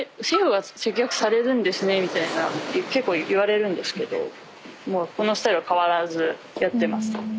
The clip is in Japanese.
シェフが接客されるんですねみたいな結構言われるんですけどもうこのスタイルは変わらずやってますね。